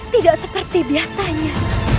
tidak seperti biasanya